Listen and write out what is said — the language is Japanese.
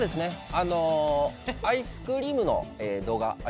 あのアイスクリームの動画ありますかね？